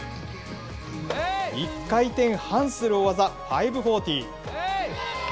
１回転半する大技、５４０。